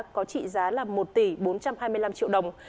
có trị giá là một tỷ bốn trăm hai mươi năm triệu đồng